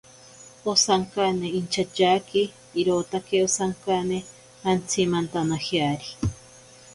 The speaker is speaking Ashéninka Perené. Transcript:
Osankane inchatyaaki irotaki osankane antsimantanajeari.